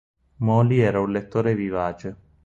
Moli era un lettore vivace.